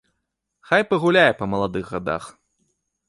Хай пагуляе па маладых гадах.